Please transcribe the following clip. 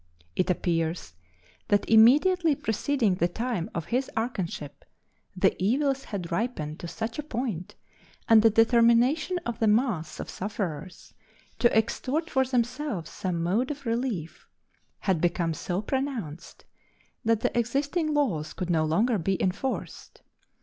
It appears that immediately preceding the time of his archonship the evils had ripened to such a point, and the determination of the mass of sufferers to extort for themselves some mode of relief had become so pronounced, that the existing laws could no longer be enforced.